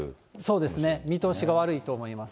そうですね、見通しが悪いと思います。